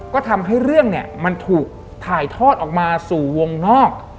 ก็ทำให้เรื่องเนี่ยมันถูกถ่ายทอดออกมาสู่วงนอก